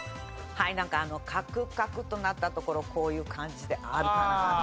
あのカクカクとなったところこういう感じであるかなと。